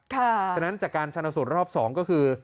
จากนั้นจากการชาญสูตรรอบ๒ก็คือ